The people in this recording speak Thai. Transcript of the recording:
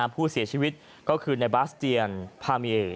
ผู้เสียชีวิตก็คือในบาสเจียนพามี